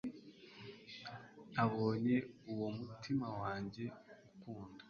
nabonye uwo umutima wanjye ukunda